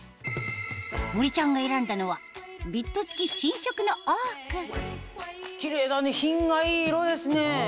森ちゃんが選んだのはビット付き新色のオークキレイだね品がいい色ですね。